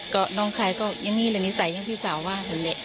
ก็น้องชายก็อย่างนี้แหละนิสัยอย่างพี่สาวว่าเท่าไหร่